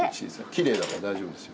きれいだから大丈夫ですよ。